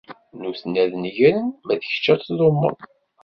Nutni ad negren, ma d kečč ad tdumeḍ.